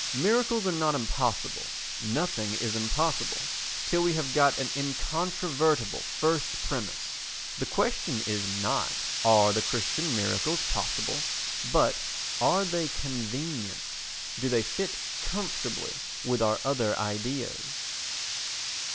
Miracles are not impossible; nothing is impossible till we have got an incontrovertible first premise. The question is not "Are the Christian miracles possible?" but "Are they convenient? Do they fit comfortably with our other ideas?"